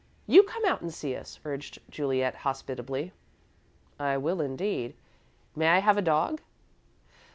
"You come out and see us," urged Juliet, hospitably. "I will, indeed. May I have a dog?"